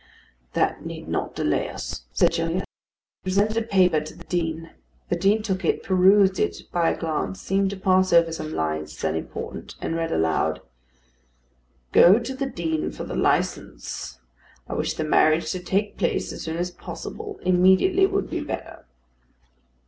"That need not delay us," said Gilliatt. And he presented a paper to the Dean. The Dean took it, perused it by a glance, seemed to pass over some lines as unimportant, and read aloud: "Go to the Dean for the licence. I wish the marriage to take place as soon as possible. Immediately would be better."